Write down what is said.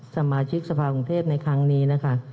สมาชิกสภากรุงเทพในครั้งนี้นะคะ